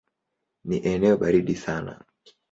Ni eneo baridi sana.